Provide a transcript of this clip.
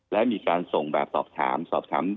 และมีการส่งแบบสอบถาม